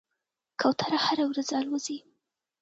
کوتره هره ورځ الوځي.